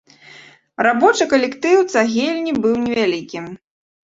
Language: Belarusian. Рабочы калектыў цагельні быў невялікі.